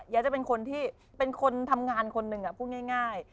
จะเป็นคนที่เป็นคนทำงานคนหนึ่งพูดง่าย